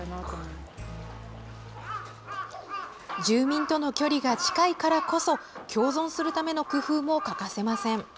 住民との距離が近いからこそ共存するための工夫も欠かせません。